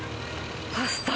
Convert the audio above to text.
パスタ。